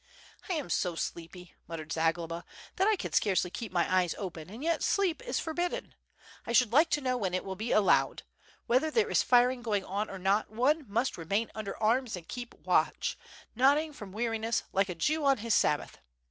"I am so sleepy," muttered Zagloba, "that I can scarcely keep my eyes open, and yet sleep is forbidden. I should like to know when it will be allowed. Whether there is firing going on or not, one must remain under arms and keep watch, nodding from weariness, like a Jew on his Sabbath.